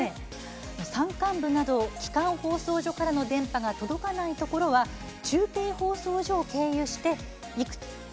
山間部など基幹放送所からの電波が届かないところは中継放送所を経由して届けます。